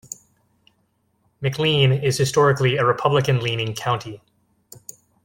McLean is historically a Republican-leaning county.